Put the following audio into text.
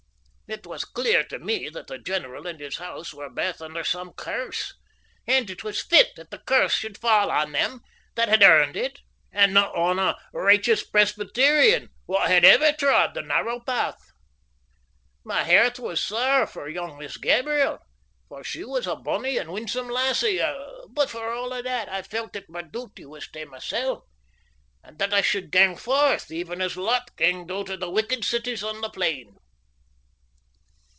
It was clear tae me that the general and his hoose were baith under some curse, and it was fit that that curse should fa' on them that had earned it, and no' on a righteous Presbyterian, wha had ever trod the narrow path. My hairt was sair for young Miss Gabriel for she was a bonnie and winsome lassie but for a' that, I felt that my duty was tae mysel' and that I should gang forth, even as Lot ganged oot o' the wicked cities o' the plain.